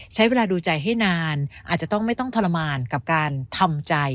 ใช้เวลาดูใจให้นานอาจจะต้องไม่ต้องทรมานกับการทำใจ